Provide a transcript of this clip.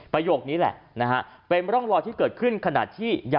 ประโยคนี้แหละนะฮะ